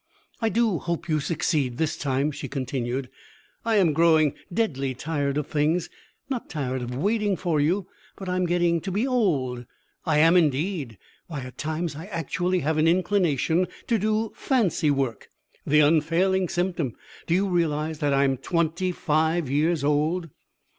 "I do hope you succeed this time," she continued. "I am growing deadly tired of things. Not tired of waiting for you, but I am getting to be old; I am, indeed. Why, at times I actually have an inclination to do fancy work the unfailing symptom. Do you realize that I am _twenty five years old!